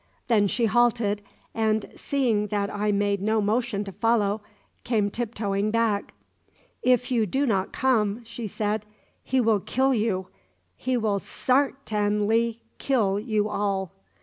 Then she halted, and, seeing that I made no motion to follow, came tip toeing back. "If you do not come," she said, "he will kill you! He will sar tain ly kill you all!"